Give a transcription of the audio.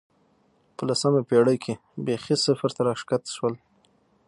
په لسمه پېړۍ کې بېخي صفر ته راښکته شول